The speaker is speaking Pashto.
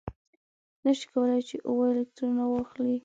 نه شي کولای چې اوه الکترونه واخلي.